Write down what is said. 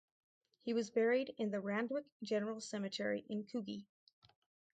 He was buried in the Randwick General Cemetery in Coogee.